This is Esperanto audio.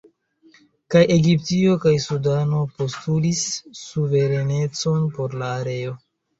Kaj Egiptio kaj Sudano postulis suverenecon por la areo.